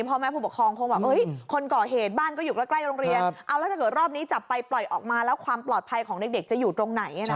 เพราะแม่ผู้ปกครองคงว่าคนก่อเหตุบ้านก็อยู่ใกล้โรงเรียน